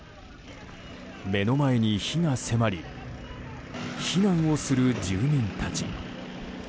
目の前に火が迫り避難をする住民たち。